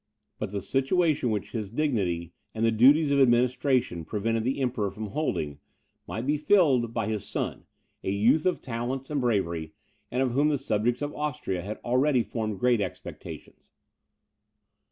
But the situation which his dignity, and the duties of administration, prevented the Emperor from holding, might be filled by his son, a youth of talents and bravery, and of whom the subjects of Austria had already formed great expectations.